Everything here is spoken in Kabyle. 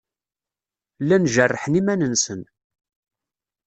Llan jerrḥen iman-nsen.